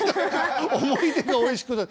思い出がおいしくなる。